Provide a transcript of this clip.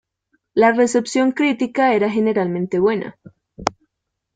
La recepción crítica era generalmente buena.